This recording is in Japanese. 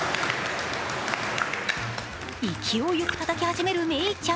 勢いよくたたき始めるメイちゃん。